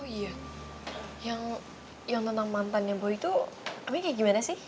oh iya yang tentang mantannya boy tuh amin kayak gimana sih